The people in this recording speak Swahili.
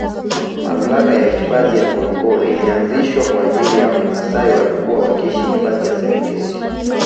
Mamlaka ya hifadhi ya Ngorongoro ilianzishwa kwaajili ya wamaasai waliokuwa wakiishi hifahi ya Serengeti